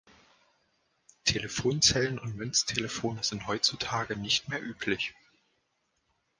Telefonzellen und Münztelefone sind heutzutage nicht mehr üblich